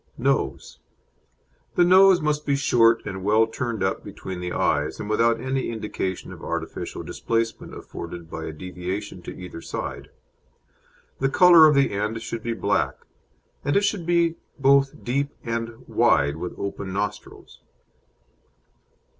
NOSE The nose must be short and well turned up between the eyes, and without any indication of artificial displacement afforded by a deviation to either side. The colour of the end should be black, and it should be both deep and wide with open nostrils.